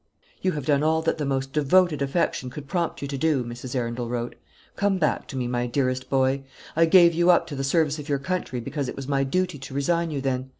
"You have done all that the most devoted affection could prompt you to do," Mrs. Arundel wrote. "Come back to me, my dearest boy. I gave you up to the service of your country because it was my duty to resign you then.